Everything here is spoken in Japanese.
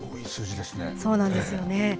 そうなんですよね。